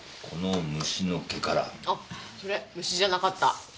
あっそれ虫じゃなかった。